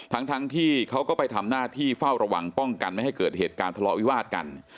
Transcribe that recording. ทั้งที่เขาก็ไปทำหน้าที่เฝ้าระวังป้องกันไม่ให้เกิดเหตุการณ์ทะเลาะวิวาสกัน